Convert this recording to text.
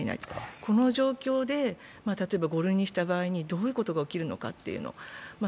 この状況で、例えば５類にした場合にどういうことが起きるのかという。